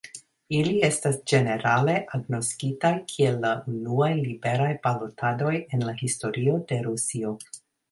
Ili estas ĝenerale agnoskitaj kiel la unuaj liberaj balotadoj en la historio de Rusio.